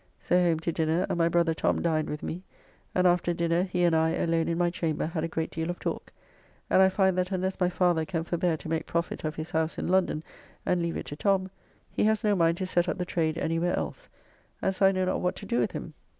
So home to dinner, and my brother Tom dined with me, and after dinner he and I alone in my chamber had a great deal of talk, and I find that unless my father can forbear to make profit of his house in London and leave it to Tom, he has no mind to set up the trade any where else, and so I know not what to do with him.